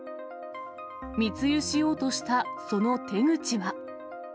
密輸しようとしたその手口は。